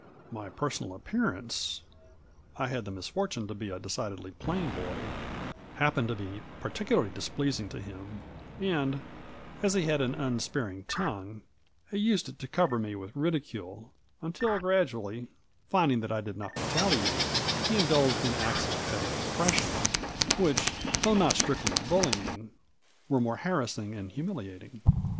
My personal appearance— I had the misfortune to be a decidedly plain boy — ^happened to be particularly displeasing to him, and, as he had an unspar ing tongue , he used it to cover me with ridicule, until gradually, finding that I did not retaliate, he indulged in acts of petty oppression, which, though not strictly bully ing, were more harassing and humiliating.